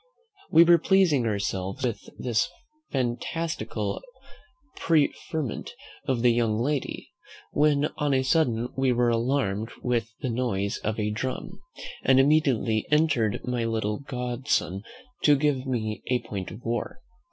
We were pleasing ourselves with this fantastical preferment of the young lady, when on a sudden we were alarmed with the noise of a drum, and immediately entered my little godson to give me a point of war.